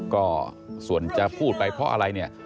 ก็ส่วนจะพูดไปเพราะอะไร